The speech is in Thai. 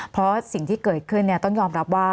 เพราะสิ่งที่เกิดขึ้นต้องยอมรับว่า